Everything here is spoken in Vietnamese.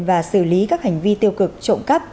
và xử lý các hành vi tiêu cực trộm cắp